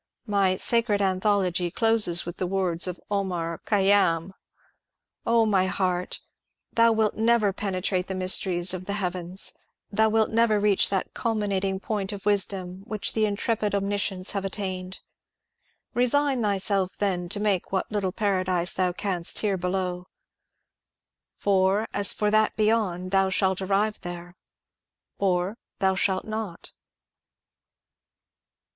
My ^^ Sacred Anthology " closes with the words of Omar Khayyam :^ 0 my heart ! thou wilt never penetrate the mysteries of the heavens; thou wilt never reach that culminating point of wisdom which the intrepid omniscients have attained. Resign thyself then to make what little paradise thou canst here be low; for, as for that beyond^ thou shalt arrive there, — or thou shalt not."